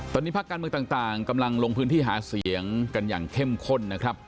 ตอนนี้ภาคการเมืองต่างกำลังลงพื้นที่หาเสียงกันอย่างเข้มข้นนะครับ